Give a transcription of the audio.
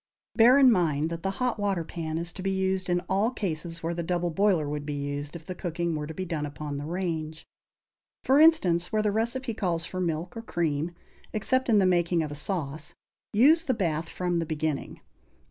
Bear in mind that the hot water pan is to be used in all cases where the double boiler would be used, if the cooking were to be done upon the range. For instance, where the recipe calls for milk or cream, except in the making of a sauce, use the bath from the beginning.